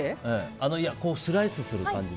スライスする感じで。